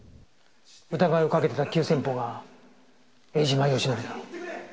疑いをかけてた急先鋒が江島義紀だ。